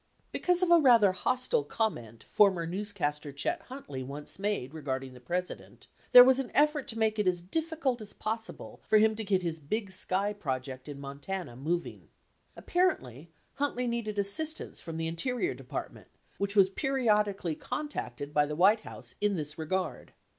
79 Because of a rather hostile comment former newscaster Chet Huntley once made regarding the President, there was an effort to make it as difficult as possible for him to get his Big Sky project in Montana moving. Apparently, Huntley needed assistance from the Interior Department, which w T as periodically contacted by the 'White House in this regard.